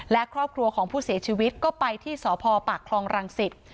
และครอบครัวของผู้เสียชีวิตก็ไปที่สพปากคลองรังสิต